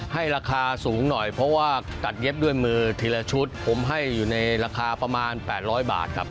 ให้ราคาสูงหน่อยเพราะว่ากัดเย็บด้วยมือทีละชุดผมให้อยู่ในราคาประมาณ๘๐๐บาทครับ